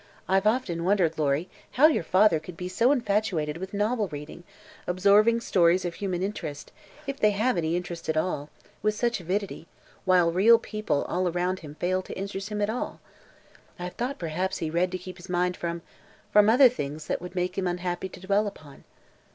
"I've often wondered, Lory, how your father could be so infatuated with novel reading, absorbing stories of human interest, if they have any interest at all, with such avidity, while the real people all around him failed to interest him at all. I have thought perhaps he read to keep his mind from from other things that it would make him unhappy to dwell upon."